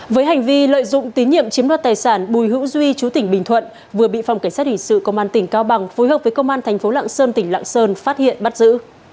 với hành vi lợi dụng tín nhiệm chiếm đoạt tài sản bùi hữu duy chú tỉnh bình thuận vừa bị phòng cảnh sát hình sự công an tỉnh cao bằng phối hợp với công an thành phố lạng sơn tỉnh lạng sơn phát hiện bắt giữ